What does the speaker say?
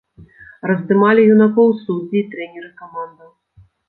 Раздымалі юнакоў суддзі і трэнеры камандаў.